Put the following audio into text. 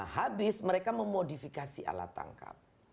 habis mereka memodifikasi alat tangkap